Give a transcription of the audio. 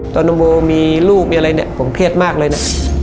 น้องโบมีลูกมีอะไรเนี่ยผมเครียดมากเลยนะ